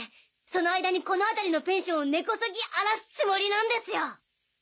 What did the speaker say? その間にこの辺りのペンションを根こそぎ荒らすつもりなんですよ！